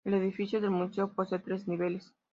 El edificio del museo posee tres niveles.